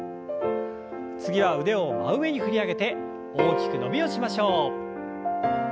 次は腕を真上に振り上げて大きく伸びをしましょう。